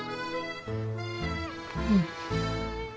うん。